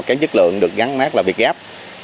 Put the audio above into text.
kém chất lượng được gắn mát là việc gáp